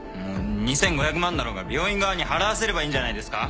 もう２，５００万だろうが病院側に払わせればいいんじゃないですか？